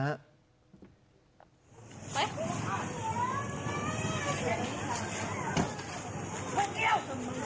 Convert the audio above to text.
เร็ว